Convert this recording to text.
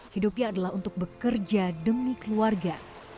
hidupnya adalah untuk bekerja demi keluarga